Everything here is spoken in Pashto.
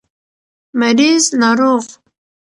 مريض √ ناروغ